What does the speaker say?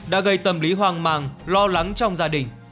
đã gây tâm lý hoang mang lo lắng trong gia đình